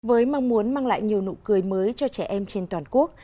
với mong muốn mang lại nhiều nụ cười mới cho trẻ em trên toàn quốc